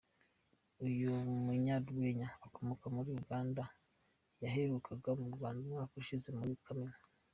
Uyu munyarwenya ukomoka muri Uganda yaherukaga mu Rwanda umwaka ushize muri Kamena.